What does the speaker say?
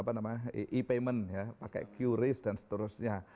pasar kita sudah membuat suatu e payment ya pakai qris dan seterusnya